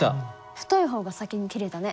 太い方が先に切れたね。